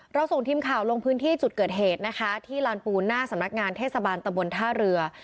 ส่งทีมข่าวลงพื้นที่จุดเกิดเหตุนะคะที่ลานปูนหน้าสำนักงานเทศบาลตะบนท่าเรือ